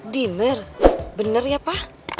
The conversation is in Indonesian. dinner bener ya pa